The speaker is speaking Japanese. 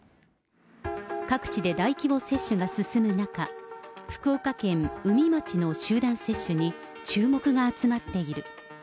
各地で大規模接種が進む中、福岡県宇美町の集団接種に注目が集まっている。